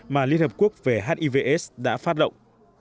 mà liên hợp quốc về hiv aids đã phát động